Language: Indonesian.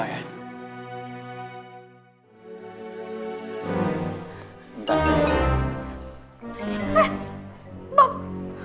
kita berdua ya